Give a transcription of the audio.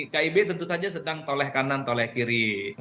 kib tentu saja sedang toleh kanan toleh kiri